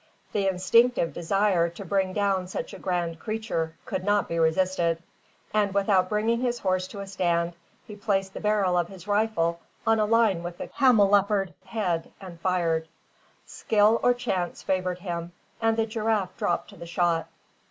The instinctive desire to bring down such a grand creature could not be resisted, and, without bringing his horse to a stand, he placed the barrel of his rifle on a line with the camelopard's head and fired. Skill or chance favoured him, and the giraffe dropped to the shot.